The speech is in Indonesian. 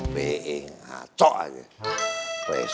bingkak coba aja resep